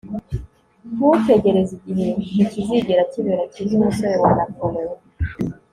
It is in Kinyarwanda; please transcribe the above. ntutegereze. igihe ntikizigera kibera cyiza. - umusozi wa napoleon